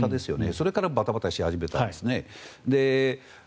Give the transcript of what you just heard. それからバタバタし始めたんですね。